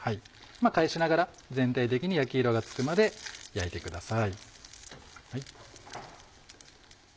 返しながら全体的に焼き色がつくまで焼いてください。